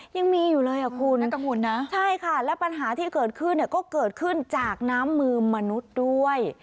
ยังมีอยู่เลยอ่ะคุณน่ากังวลนะใช่ค่ะและปัญหาที่เกิดขึ้นเนี่ยก็เกิดขึ้นจากน้ำมือมนุษย์ด้วย